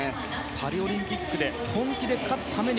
パリオリンピックで本気で勝つために